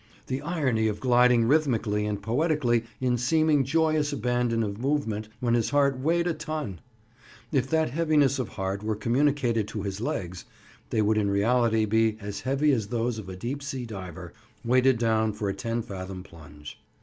The irony of gliding rhythmically and poetically in seeming joyous abandon of movement when his heart weighed a ton! If that heaviness of heart were communicated to his legs, they would in reality be as heavy as those of a deep sea diver, weighted down for a ten fathom plunge.